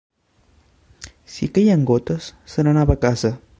Si queien gotes se'n anava a casa.